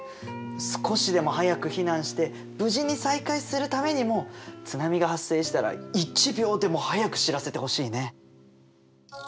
少しでも早く避難して無事に再会するためにも津波が発生したら一秒でも早く知らせてほしいね。